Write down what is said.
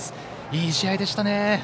いい試合でしたね。